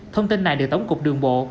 thông tin này được tổng cục đường bộ